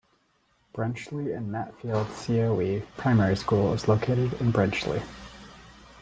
Brenchley and Matfield CoE primary school is located in Brenchley.